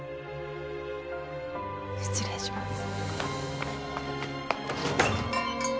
失礼します。